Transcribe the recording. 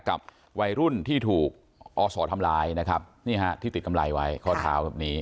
กับวัยรุ่นที่ถูกอศทำร้ายนะครับนี่ฮะที่ติดกำไรไว้ข้อเท้าแบบนี้